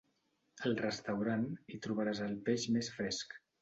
Al restaurant hi trobaràs el peix més fresc.